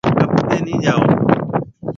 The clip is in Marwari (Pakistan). ڪپ تي نِي جائو۔